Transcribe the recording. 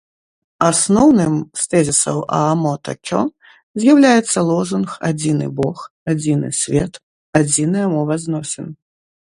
Асноўным з тэзісаў аамота-кё зьяўляецца лозунг «Адзіны Бог, Адзіны Свет, Адзіная мова зносін»